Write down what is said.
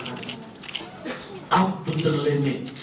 saya mencoba untuk bertahan